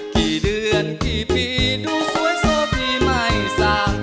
กี่เดือนกี่ปีดูสวยเซอร์พี่ไม้สา